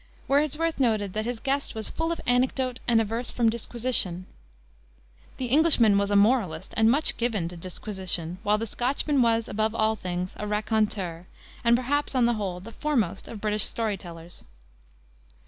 Wordsworth noted that his guest was "full of anecdote and averse from disquisition." The Englishman was a moralist and much given to "disquisition," while the Scotchman was, above all things, a raconteur, and, perhaps, on the whole, the foremost of British story tellers.